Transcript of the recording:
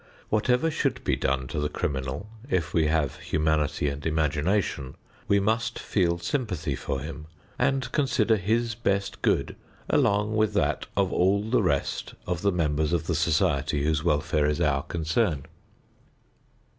Whatever should be done to the criminal, if we have humanity and imagination, we must feel sympathy for him and consider his best good along with that of all the rest of the members of the society whose welfare is our concern.